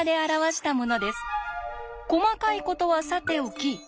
細かいことはさておき。